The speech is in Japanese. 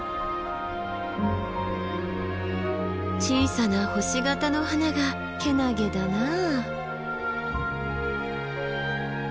小さな星形の花がけなげだなあ。